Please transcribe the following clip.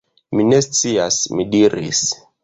Mi ne scias, mi diris.